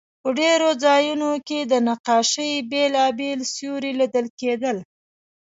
په ډېرو ځایونو کې د نقاشۍ بېلابېل سیوري لیدل کېدل.